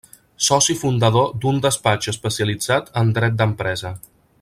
Soci fundador d'un despatx especialitzat en dret d'empresa.